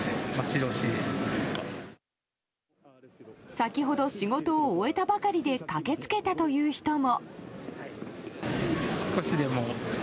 先ほど仕事を終えたばかりで駆け付けたという人も。